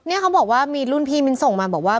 เขาบอกว่ามีรุ่นพี่มิ้นส่งมาบอกว่า